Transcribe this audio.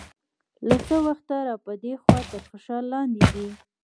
له څه وخته را په دې خوا تر فشار لاندې دی.